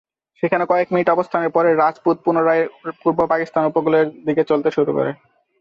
সেখানে কয়েক মিনিট অবস্থানের পরে "রাজপুত" পুনরায় পূর্ব পাকিস্তান উপকূলের দিকে চলতে শুরু করে।